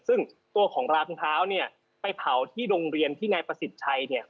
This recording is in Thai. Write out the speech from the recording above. ซึ่งตัวของรากเท้าไปเผาที่โรงเรียนที่นายประสิทธิ์ชัย